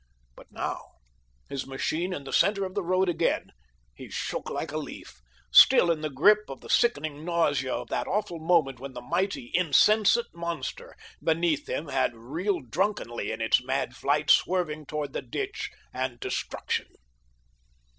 But now, his machine in the center of the road again, he shook like a leaf, still in the grip of the sickening nausea of that awful moment when the mighty, insensate monster beneath him had reeled drunkenly in its mad flight, swerving toward the ditch and destruction.